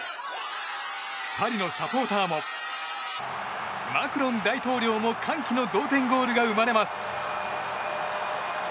パリのサポーターもマクロン大統領も歓喜の同点ゴールが生まれます。